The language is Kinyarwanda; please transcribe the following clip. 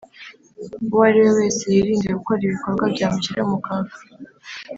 uwo ari we wese yirinde gukora ibikorwa byamushyira mu kaga